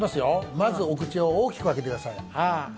まずお口を大きく開けてください。